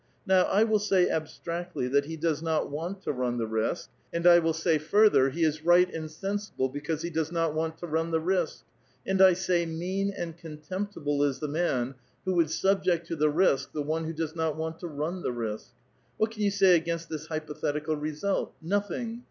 Now I will ^y Cibstractly that he does not want to run the risk, and I 262 A VITAL QUESTION. will Bay farther, he is right and sensible because be does not wuut to run the risk ; and 1 say, mean and contemptible is the man who would subject to the risk the one who does not want to run the risk. What can you say against this hyi>othetical result? Nothing!